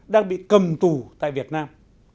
đang bị cầm tù tại việt nam